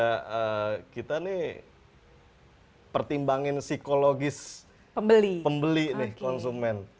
harganya pun juga kita nih pertimbangin psikologis pembeli nih konsumen